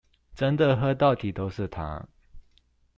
真的喝到底都是糖